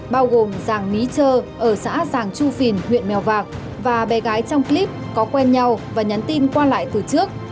bao gồm giàng mỹ trơ ở xã giàng chu phìn huyện mèo vạc và bé gái trong clip có quen nhau và nhắn tin qua lại từ trước